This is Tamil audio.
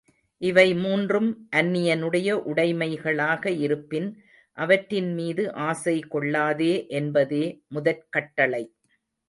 இவை மூன்றும் அன்னியனுடைய உடைமைகளாக இருப்பின், அவற்றின் மீது ஆசை கொள்ளாதே என்பதே முதற் கட்டளை.